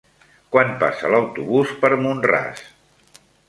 Quan passa l'autobús per Mont-ras?